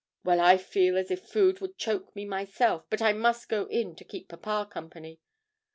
Well, I feel as if food would choke me myself, but I must go in to keep papa company.